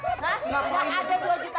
jangan ya gak ada dua juta dua juta